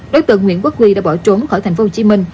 đối tượng nguyễn quốc huy đã bỏ trốn khỏi tp hcm